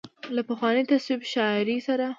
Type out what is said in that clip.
له پخوانۍ تصوفي شاعرۍ سره